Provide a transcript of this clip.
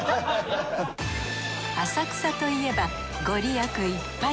浅草といえばご利益いっぱい！